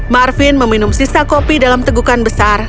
marvin meminum sisa kopi dalam tegukan besar